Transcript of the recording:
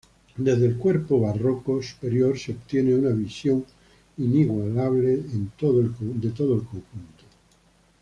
Desde el cuerpo barroco superior se obtiene una visión inigualable de todo el conjunto.